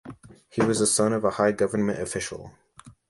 He was the son of a high government official.